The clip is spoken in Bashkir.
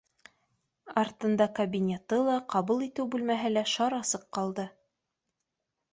Артында ка- оинеты ла, ҡабул итеү бүлмәһе лә шар асыҡ ҡалды